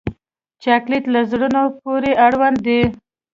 چاکلېټ له زړونو پورې اړوند دی.